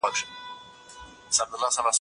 الله د هر بنده په نیت خبر دی.